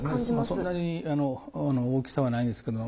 そんなに大きさはないんですけど。